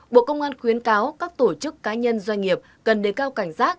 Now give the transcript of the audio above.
bộ công an khuyến cáo các tổ chức cá nhân doanh nghiệp cần đề cao cảnh giác